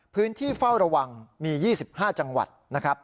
พื้นที่เฝ้าระวังมี๒๕จังหวัดนะครับ